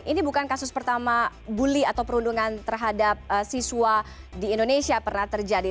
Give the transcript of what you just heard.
ini bukan kasus pertama bully atau perundungan terhadap siswa di indonesia pernah terjadi